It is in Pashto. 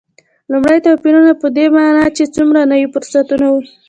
لومړ توپیرونه په دې معنا چې څومره نوي فرصتونه و.